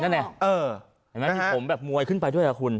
เห็นมั้ยที่ผมมวยขึ้นไปด้วยครับคุณ